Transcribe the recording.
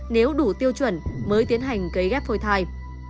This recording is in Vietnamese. nếu đủ tiêu chuẩn mới tiến hành cấy ghép phôi thai